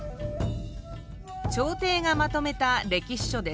朝廷がまとめた歴史書です。